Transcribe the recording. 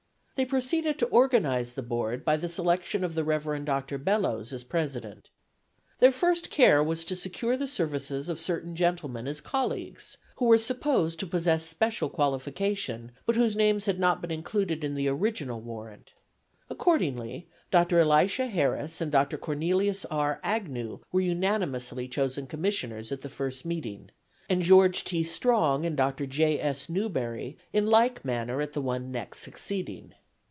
They proceeded to organize the Board by the selection of the Rev. Dr. Bellows as president. Their first care was to secure the services of certain gentlemen as colleagues, who were supposed to possess special qualifications, but whose names had not been included in the original warrant. Accordingly Dr. Elisha Harris and Dr. Cornelius R. Agnew were unanimously chosen Commissioners at the first meeting, and George T. Strong and Dr. J. S. Newberry in like manner at the one next succeeding.